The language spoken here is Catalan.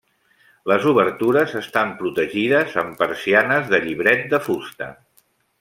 Les obertures estan protegides amb persianes de llibret de fusta.